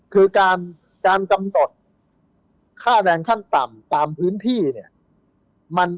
คือการกำหนดค่าแรงขั้นต่ำตามพื้นที่เนี่ย